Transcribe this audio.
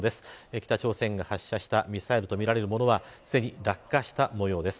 北朝鮮が発射したミサイルとみられるものはすでに落下したもようです。